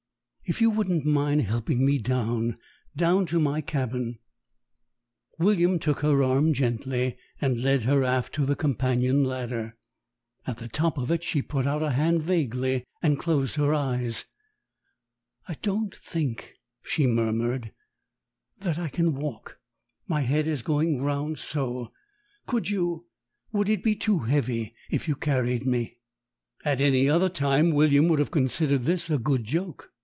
"If you wouldn't mind helping me down down to my cabin " William took her arm gently and led her aft to the companion ladder. At the top of it she put out a hand vaguely and closed her eyes. "I don't think," she murmured, "that I can walk. My head is going round so. Could you would it be too heavy if you carried me?" At any other time William would have considered this a good joke.